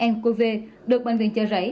mqv được bệnh viện chợ rẫy